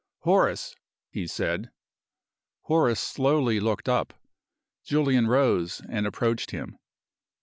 "Horace!" he said. Horace slowly looked up. Julian rose and approached him.